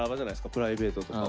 プライベートとかも。